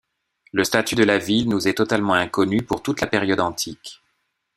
Le statut de la ville nous est totalement inconnu pour toute la période antique.